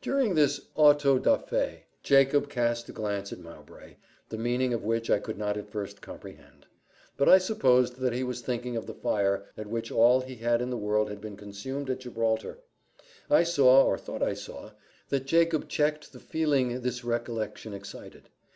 During this auto da fè, Jacob cast a glance at Mowbray, the meaning of which I could not at first comprehend; but I supposed that he was thinking of the fire, at which all he had in the world had been consumed at Gibraltar. I saw, or thought I saw, that Jacob checked the feeling this recollection excited.